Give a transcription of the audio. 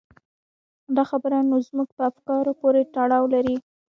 دا خبره نو زموږ په افکارو پورې تړاو لري.